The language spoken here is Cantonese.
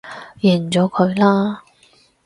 認咗佢啦